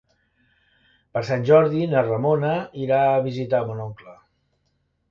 Per Sant Jordi na Ramona irà a visitar mon oncle.